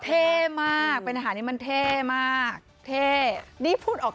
เท่มากเป็นอาหารนี้มันเท่มาก